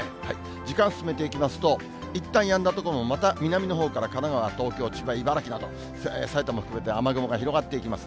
時間進めていきますと、いったんやんだ所もまた南のほうから神奈川、東京、千葉、茨城など、埼玉含めて、雨雲が広がっていきます。